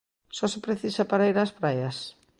Só se precisa para ir ás praias?